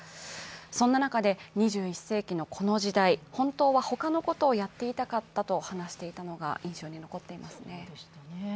そんな中で２１世紀のこの時代、本当は他のことをやっていたかったと話していたのが印象に残っていますね。